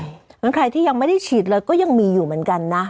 เพราะฉะนั้นใครที่ยังไม่ได้ฉีดเลยก็ยังมีอยู่เหมือนกันนะ